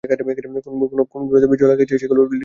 কোনগুলোতে বীর্য লাগিয়েছ সেগুলোর লিষ্ট দিও প্লিজ?